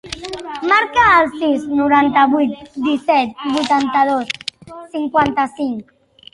Marca el sis, noranta-vuit, disset, vuitanta-dos, cinquanta-cinc.